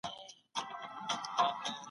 ته به په خپلو خبرو کي صداقت ولرې.